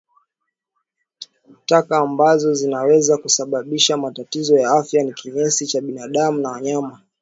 Taka ambazo zinaweza kusababisha matatizo ya afya ni kinyesi cha binadamu na wanyama